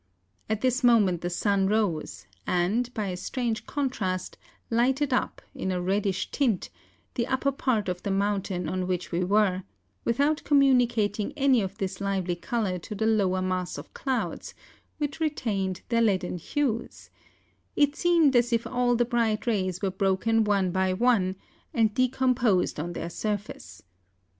At this moment the sun rose, and, by a strange contrast, lighted up, in a reddish tint, the upper part of the mountain on which we were, without communicating any of this lively colour to the lower mass of clouds, which re¬ tained their leaden hues: it seemed as if all the bright rays were broken one by one, and decom¬ posed on their surface.